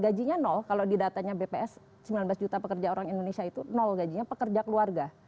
gajinya nol kalau di datanya bps sembilan belas juta pekerja orang indonesia itu nol gajinya pekerja keluarga